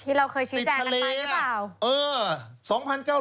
ที่เราเคยชินแจกันไปหรือเปล่า